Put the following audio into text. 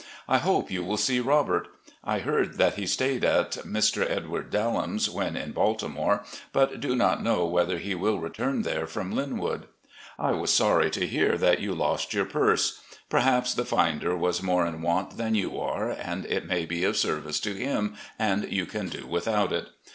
I hope you will see Robert. I heard that he stayed at Mr. Edward Dallam's when in Baltimore, but do not know whether he will return there from Lynwood. I was sorry to hear that you lost your purse. Perhaps the finder was more in want than you are, and it may be of service to him, and you can do without it.